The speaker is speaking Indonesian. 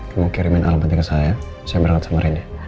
kamu kirim alamatnya ke saya saya berangkat sama rina